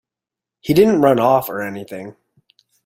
He didn't run off, or anything.